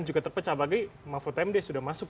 juga terpecah bagi mahfud md sudah masuk